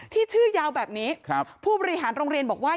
ที่ชื่อยาวแบบนี้ผู้บริหารโรงเรียนบอกว่า